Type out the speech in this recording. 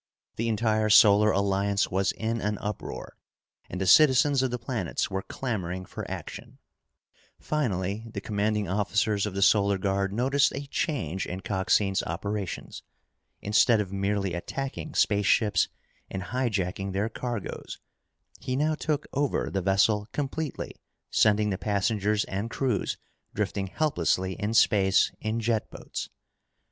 The entire Solar Alliance was in an uproar, and the citizens of the planets were clamoring for action. [Illustration: All Solar Guard defense measures seemed to be futile] Finally, the commanding officers of the Solar Guard noticed a change in Coxine's operations. Instead of merely attacking spaceships and hijacking their cargoes, he now took over the vessel completely, sending the passengers and crews drifting helplessly in space in jet boats.